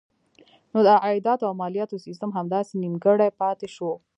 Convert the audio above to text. نو د عایداتو او مالیاتو سیسټم همداسې نیمګړی پاتې شو.